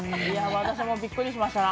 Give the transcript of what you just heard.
私もびっくりしました